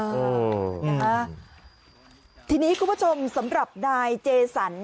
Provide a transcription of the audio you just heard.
เออนะคะทีนี้คุณผู้ชมสำหรับนายเจสัน